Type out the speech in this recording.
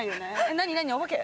何何お化け？